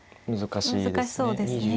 難しいですね。